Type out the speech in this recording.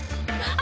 あ。